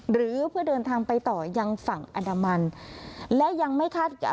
หรือเพื่อเดินทางไปต่อยังฝั่งอนามัน